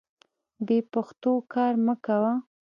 بې پښتو کار مه کوه.